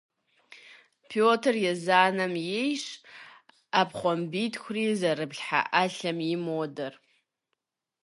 Петр Езанэм ейщ ӏэпхъуамбитхури зэрыплъхьэ ӏэлъэм и модэр.